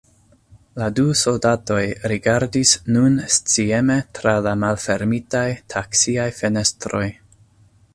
La du soldatoj rigardis nun scieme tra la malfermitaj taksiaj fenestroj.